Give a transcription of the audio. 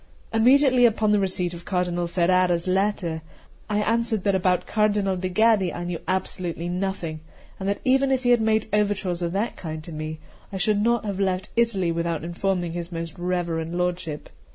Immediately upon the receipt of Cardinal Ferrara's letter, I answered that about Cardinal de' Gaddi I knew absolutely nothing, and that even if he had made overtures of that kind to me, I should not have left Italy without informing his most reverend lordship.